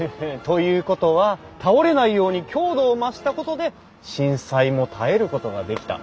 ということは倒れないように強度を増したことで震災も耐えることができた。